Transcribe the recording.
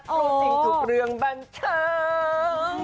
รู้สึกสุดเรื่องบันเทิง